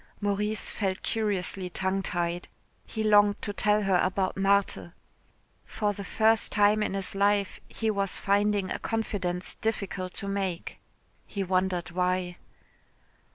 Maurice felt curiously tongue tied. He longed to tell her about Marthe. For the first time in his life he was finding a confidence difficult to make. He wondered why.